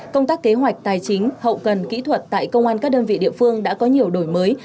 công tác kế hoạch tài chính hậu cần kỹ thuật tại công an các đơn vị địa phương đã có nhiều đổi mới